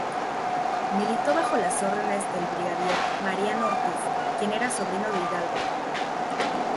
Militó bajo las órdenes del brigadier Mariano Ortiz, quien era sobrino de Hidalgo.